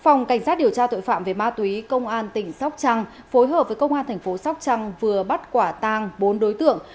phòng cảnh sát điều tra tội phạm về ma túy công an tỉnh sóc trăng phối hợp với công an thành phố sóc trăng vừa bắt quả tang bốn đối tượng